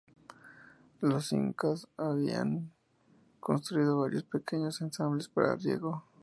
Los incas habían construido varios pequeños embalses para riego.